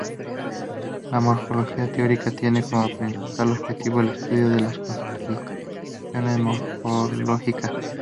La morfología teórica tiene como principal objetivo el estudio de las constricciones morfológicas.